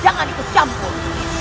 jangan ikut campur